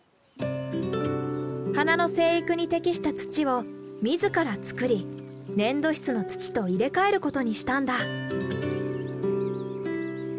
花の生育に適した土を自ら作り粘土質の土と入れかえることにしたんだ。